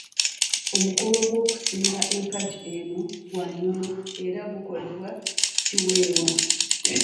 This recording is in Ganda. Omukolo gw'okusimba empagi eno gwa nnono era gukolebwa Kiwewa.